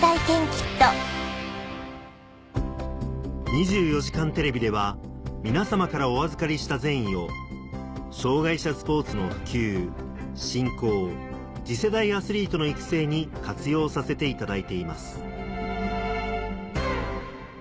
『２４時間テレビ』では皆さまからお預かりした善意を障害者スポーツの普及・振興次世代アスリートの育成に活用させていただいています